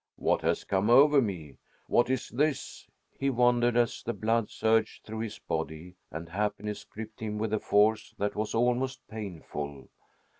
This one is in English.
"What has come over me? What is this?" he wondered, as the blood surged through his body and happiness gripped him with a force that was almost painful.